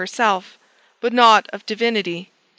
herself, but not of Divinity.